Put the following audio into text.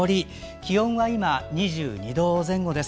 気温は今、２２度前後です。